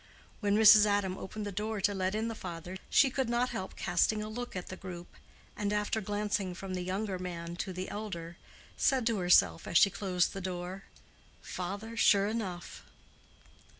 When Mrs. Adam opened the door to let in the father, she could not help casting a look at the group, and after glancing from the younger man to the elder, said to herself as she closed the door, "Father, sure enough."